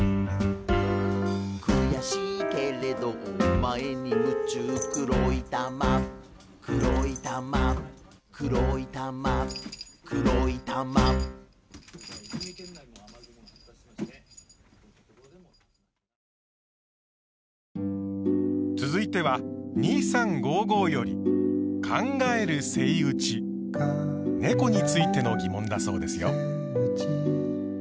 「くやしいけれどお前に夢中黒い玉黒い玉」「黒い玉黒い玉」続いては「２３５５」よりねこについての疑問だそうですよ。